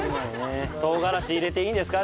唐辛子入れていいですか？